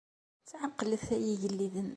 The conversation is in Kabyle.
Ttɛeqqlet, ay igelliden.